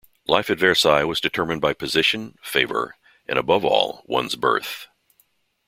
Life at Versailles was determined by position, favour, and, above all, one's birth.